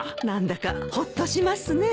何だかほっとしますね。